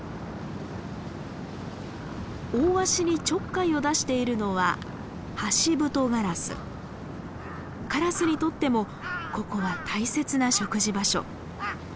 オオワシにちょっかいを出しているのはカラスにとってもここは大切な食事場所。